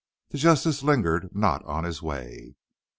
The Justice lingered not on his way.